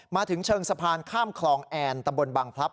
มาถึงเชิงสะพานข้ามคลองแอนตำบลบังพลับ